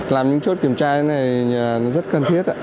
làm những chốt kiểm tra như thế này rất cần thiết